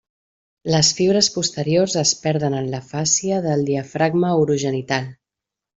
Les fibres posteriors es perden en la fàscia del diafragma urogenital.